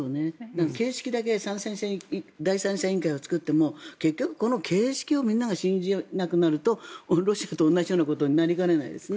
形式だけ第三者委員会を作っても結局この形式をみんなが信じなくなるとロシアと同じようなことになりかねないですね。